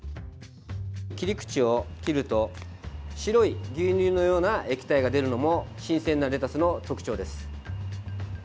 切り口を切ると白い牛乳のような液体が出るのも新鮮なレタスの特徴です。